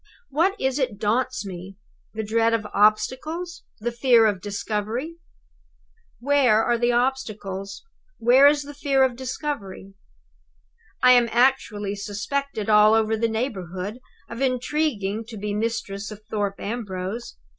"What is it daunts me? The dread of obstacles? The fear of discovery? "Where are the obstacles? Where is the fear of discovery? "I am actually suspected all over the neighborhood of intriguing to be mistress of Thorpe Ambrose.